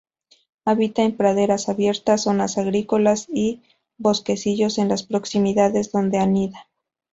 Habita en praderas abiertas, zonas agrícolas o bosquecillos en las proximidades donde anida.